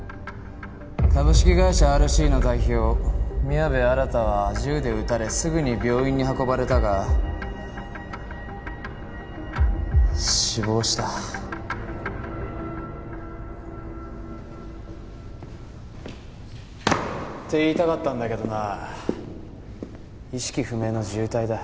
「株式会社ＲＣの代表宮部新は銃で撃たれすぐに病院に運ばれたが死亡した」って言いたかったんだけどな意識不明の重体だ。